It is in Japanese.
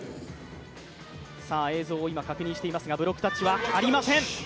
映像を今、確認していますが、ブロックタッチはありません。